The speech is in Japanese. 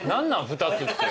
２つって。